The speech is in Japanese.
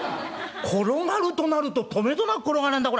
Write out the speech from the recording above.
転がるとなるととめどなく転がるんだこれ。